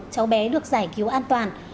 cháu bé được giải cứu an toàn